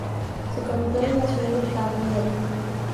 Su capital es la ciudad de Cagliari.